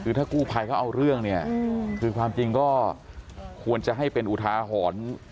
คือถ้ากู้ภัยเขาเอาเรื่องเนี่ยคือความจริงก็ควรจะให้เป็นอุทาหรณ์